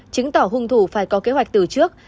chứng tỏ hung thủ phải có kế hoạch từ trước